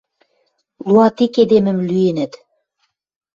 Луатик эдемӹм лӱэнӹт...